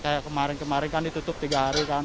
kayak kemarin kemarin kan ditutup tiga hari kan